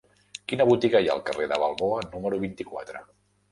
Quina botiga hi ha al carrer de Balboa número vint-i-quatre?